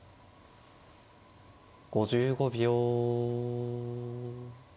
５５秒。